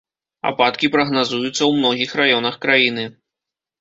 Ападкі прагназуюцца ў многіх раёнах краіны.